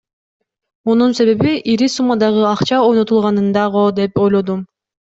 Мунун себеби ири суммадагы акча ойнотулганында го деп ойлодум.